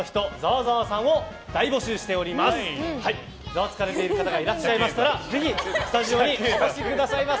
ざわつかれている方がいらっしゃいましたら、ぜひスタジオにお越しくださいませ！